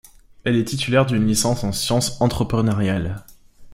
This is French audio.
Elle est titulaire d'une licence en sciences entrepreneuriales.